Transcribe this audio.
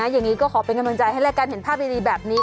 อย่างนี้ก็ขอเป็นกำลังใจให้แล้วกันเห็นภาพดีแบบนี้